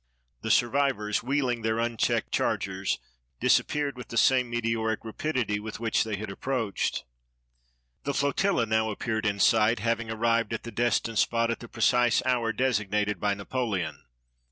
The survivors, wheeHng their unchecked chargers, disappeared with the same meteoric ra, pidity with which they had approached. The flotilla now appeared in sight, having arrived at the destined spot at the precise hour designated by Napoleon.